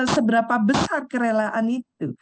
seberapa besar kerelaan itu